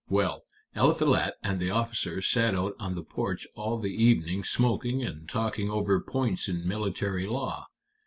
Well, Eliphalet and the officer sat out on the porch all the evening smoking and talking over points in military law.